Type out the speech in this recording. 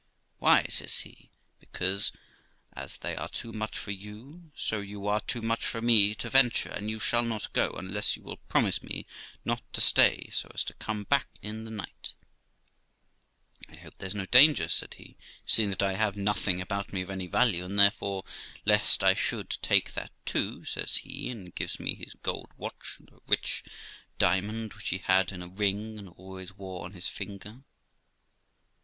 ' Why ?' says he. ' Because, as they are too much for you, so you are too much for me to venture, and you shall not go, unless you will promise me not to stay so as to come back in the night 'I hope there's no danger', said he, 'seeing that I have nothing about me of any value ; and therefore, lest I should, take that too ', says he, and gives me his gold watch and a rich diamond which he had in a ring, and always wore on his finger.